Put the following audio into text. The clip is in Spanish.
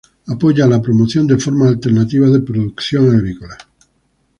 Apoya la promoción de formas alternativas de producción agrícola.